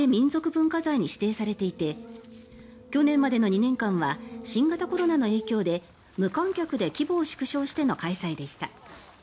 文化財に指定されていて去年までの２年間は新型コロナの影響で無観客で規模を縮小しての開催でした。